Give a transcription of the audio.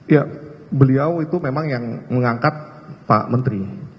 ya beliau itu memang yang mengangkat pak menteri